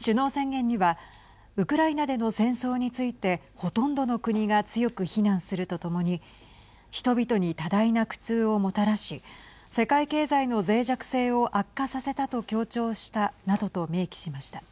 首脳宣言にはウクライナでの戦争についてほとんどの国が強く非難するとともに人々に多大な苦痛をもたらし世界経済のぜい弱性を悪化させたと強調したなどと明記しました。